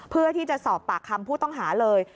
เพื่อที่จะสอบปากคำผู้ต้องหาเลย